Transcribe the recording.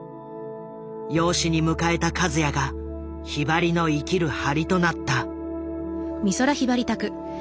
養子に迎えた和也がひばりの生きる張りとなった。